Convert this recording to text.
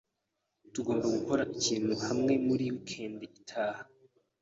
Tugomba gukora ikintu hamwe muri wikendi itaha.